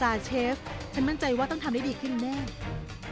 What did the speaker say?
เชฟฉันมั่นใจว่าต้องทำได้ดีขึ้นแน่